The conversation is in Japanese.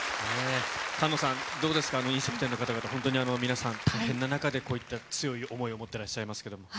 菅野さん、どうですか、飲食店の方々、本当に皆さん、大変な中で、こういった強い想いを持ってらっしゃいますけど。